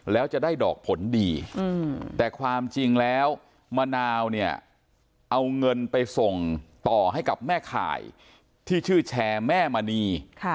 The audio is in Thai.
แล้วจะได้ดอกผลดีแต่ความจริงแล้วมะนาวเนี่ยเอาเงินไปส่งต่อให้กับแม่ข่ายที่ชื่อแชร์แม่มณี